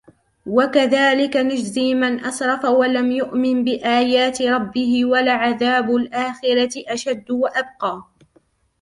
وَكَذَلِكَ نَجْزِي مَنْ أَسْرَفَ وَلَمْ يُؤْمِنْ بِآيَاتِ رَبِّهِ وَلَعَذَابُ الْآخِرَةِ أَشَدُّ وَأَبْقَى